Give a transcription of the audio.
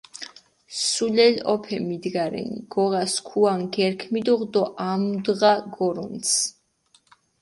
სულელი ჸოფე მიგიდა რენი, გოღა სქუა ნგერქჷ მიდუღჷ დო ამუდღა გორჷნცჷ.